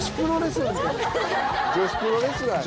女子プロレスラーや。